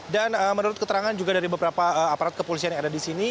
dan menurut keterangan juga dari beberapa aparat kepolisian yang ada di sini